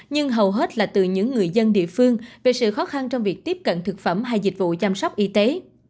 nhưng hầu hết là từ những người dân địa phương về sự khó khăn trong việc tiếp cận thực phẩm hay dịch vụ chăm sóc y tế